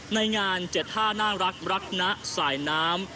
ในงาน๗ท่าน่ารักรักนะสายน้ำ